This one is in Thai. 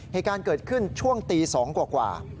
เหตุการณ์เกิดขึ้นช่วงตี๒กว่า